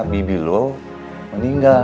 bibi lu meninggal